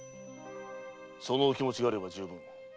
そのお気持ちがあれば充分。